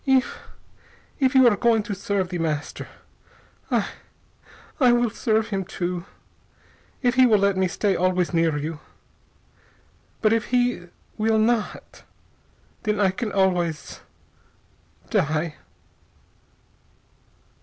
"If if you are going to serve The Master, I I will serve him too, if he will let me stay always near you. But if he will not, then I can always die...."